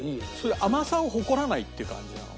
甘さを誇らないっていう感じなの。